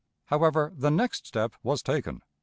However, the next step was taken.